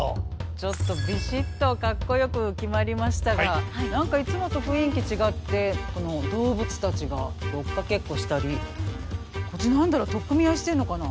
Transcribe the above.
ちょっとビシッとかっこよく決まりましたが何かいつもと雰囲気違ってこの動物たちが追っかけっこしたりこっち何だろう取っ組み合いしてるのかな？